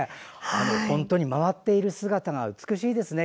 本当に回っている姿が美しいですね。